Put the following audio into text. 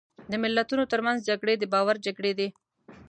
د ملتونو ترمنځ جګړې د باور جګړې دي.